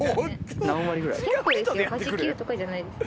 ８９とかじゃないですか。